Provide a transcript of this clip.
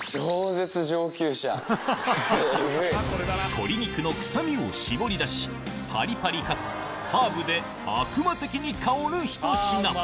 鶏肉の臭みを絞り出しパリパリかつハーブで悪魔的に香るひと品